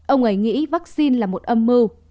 ông ấy nghĩ vaccine là một âm mưu